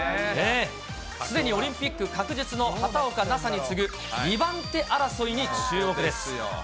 すでにオリンピック確実の畑岡奈紗に次ぐ２番手争いに注目です。